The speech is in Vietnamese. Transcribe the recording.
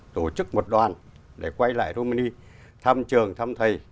tổ chức một đoàn để quay lại romani thăm trường thăm thầy